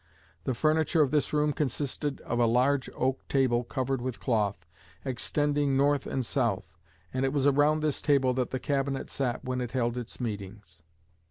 The furniture of this room consisted of a large oak table covered with cloth, extending north and south; and it was around this table that the Cabinet sat when it held its meetings.